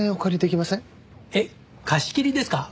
貸し切りですか？